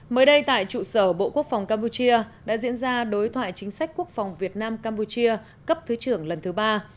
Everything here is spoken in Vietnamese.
mới đây tại trụ sở bộ quốc phòng campuchia đã diễn ra đối thoại chính sách quốc phòng việt nam campuchia cấp thứ trưởng lần thứ ba